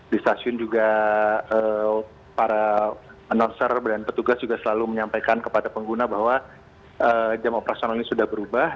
di stasiun juga para penorser dan petugas juga selalu menyampaikan kepada pengguna bahwa jam operasional ini sudah berubah